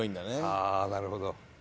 ああなるほど。